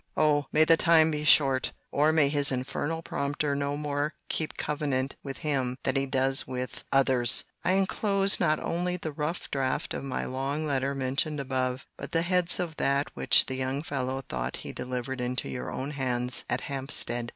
Oh! may the time be short!—or may his infernal prompter no more keep covenant with him than he does with others! I enclose not only the rough draught of my long letter mentioned above, but the heads of that which the young fellow thought he delivered into your own hands at Hampstead.